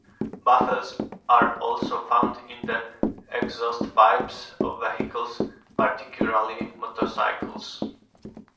Baffles are also found in the exhaust pipes of vehicles, particularly motorcycles.